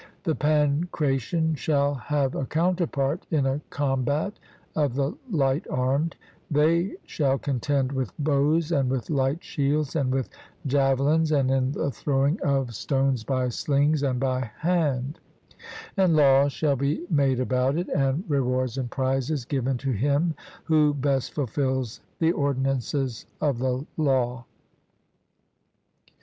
The pancration shall have a counterpart in a combat of the light armed; they shall contend with bows and with light shields and with javelins and in the throwing of stones by slings and by hand: and laws shall be made about it, and rewards and prizes given to him who best fulfils the ordinances of the law.